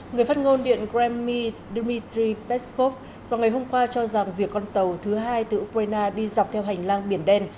người phát ngôn điện grammy dmitry peskov vào ngày hôm qua cho rằng việc con tàu thứ hai từ ukraine đi dọc theo hành lang biển đen